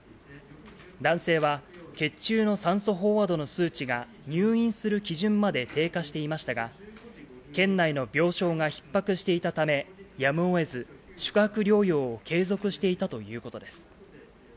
男性は、血中の酸素飽和度の数値が入院する基準まで低下していましたが、県内の病床がひっ迫していたため、やむをえず宿泊療養を継続していたということです。